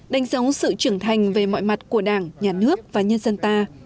đánh dấu sự trưởng thành về mọi mặt của đảng nhà nước và nhân dân ta